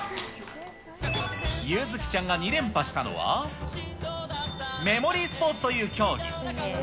柚月ちゃんが２連覇したのは、メモリースポーツという競技。